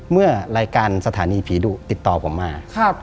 เมื่อรายการสถานีผีดุติดต่อผมมา